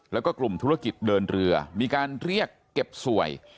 แล้วก็กลุ่มธุรกิจเดินเรือมีการเรียกเก็บสวย